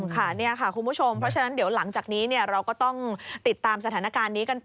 ค่ะนี่ค่ะคุณผู้ชมเพราะฉะนั้นเดี๋ยวหลังจากนี้เราก็ต้องติดตามสถานการณ์นี้กันต่อ